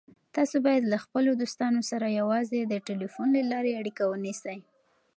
تاسو باید له خپلو دوستانو سره یوازې د ټلیفون له لارې اړیکه ونیسئ.